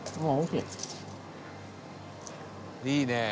「いいねえ。